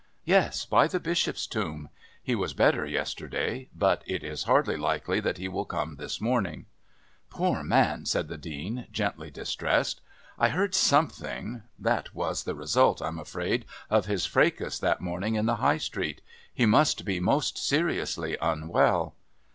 Yes, by the Bishop's Tomb. He was better yesterday, but it is hardly likely that he will come this morning. "Poor man!" said the Dean, gently distressed. "I heard something...That was the result, I'm afraid, of his fracas that morning in the High Street; he must be most seriously unwell."